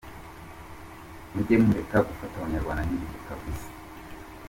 Mujye mureka gufata abanyarwanda nkinjiji kbs.